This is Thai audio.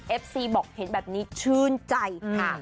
เอฟซีบอกแบบนี้เชื่อใจค่ะ